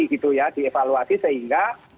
gitu ya dievaluasi sehingga